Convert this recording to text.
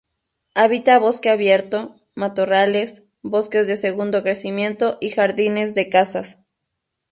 Habita bosque abierto, matorrales, bosques de segundo crecimiento y jardines de casas.